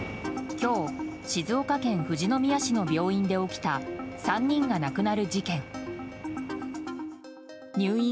今日静岡県富士宮市の病院で起きた３人が亡くなる事件。